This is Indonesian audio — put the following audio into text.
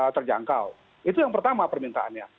terjangkau itu yang pertama permintaannya